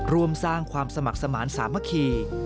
ร่วมสร้างความสมัครสมาธิสามัคคี